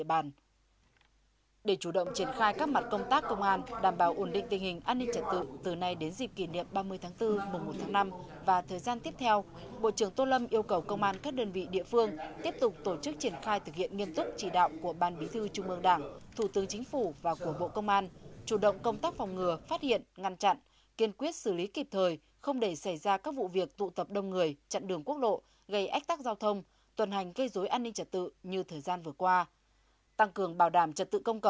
tại các mặt công tác công an đảm bảo ổn định tình hình an ninh trật tự từ nay đến dịp kỷ niệm ba mươi tháng bốn mùa một tháng năm và thời gian tiếp theo bộ trưởng tô lâm yêu cầu công an các đơn vị địa phương tiếp tục tổ chức triển khai thực hiện nghiên túc chỉ đạo của ban bí thư trung ương đảng thủ tư chính phủ và của bộ công an chủ động công tác phòng ngừa phát hiện ngăn chặn kiên quyết xử lý kịp thời không để xảy ra các vụ việc tụ tập đông người chặn đường quốc lộ gây ách tắc giao thông tuần hành gây dối an ninh trật tự như thời